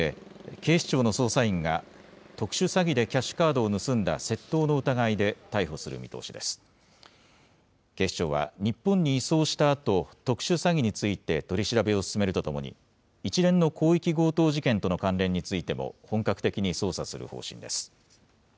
警視庁は日本に移送したあと特殊詐欺について取り調べを進めるとともに一連の広域強盗事件との関連についても本格的に捜査する方針です。